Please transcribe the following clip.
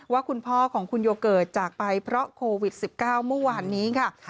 ว่าคุณพ่อของคุณโยเกิร์ตจากไปเพราะโควิด๑๙เมื่อวานนี้ค่ะ